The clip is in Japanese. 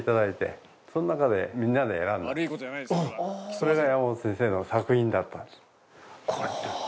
それが山本先生の作品だったんです。